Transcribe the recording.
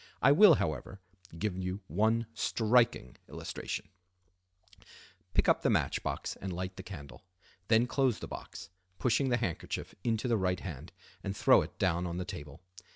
I will, however, give you one striking illustration:" Pick up the match box and light the candle; then close the box, pushing the handkerchief into the right hand, and throw it down on the table.